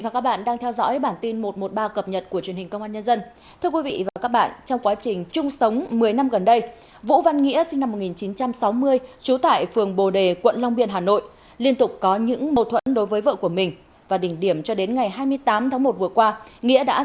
cảm ơn các bạn đã theo dõi